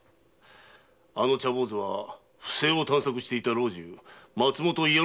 あの茶坊主は不正を探索していた松本伊予